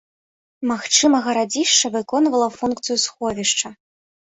Магчыма, гарадзішча выконвала функцыю сховішча.